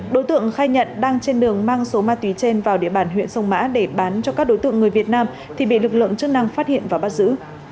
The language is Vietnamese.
đối tượng khai nhận đang trên đường mang số ma túy trên vào địa bàn huyện sông mã để bán cho các đối tượng người việt nam thì bị lực lượng chức năng phát hiện và bắt giữ